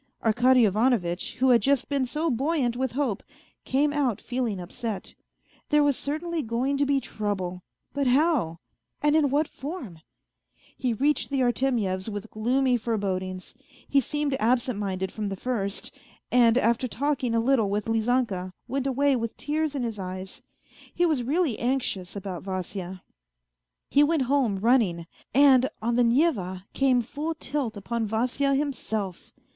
Arkady Ivanovitch, who had just been so buoyant with hope, came out feeling upset. There was cer tainly going to be trouble, but how ? And in what form ? A FAINT HEART 181 He reached the Artemyevs with gloomy forebodings ; he seemed absent minded from the first, and after talking a little v ith Lizanka went away with tears in his eyes ; he was really anxious about Vasya. He went home running, and on the Neva came full tilt upon Vasya himself.